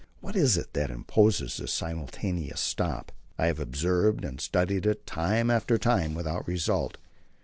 What is it that imposes this simultaneous stop? I have observed and studied it time after time without result.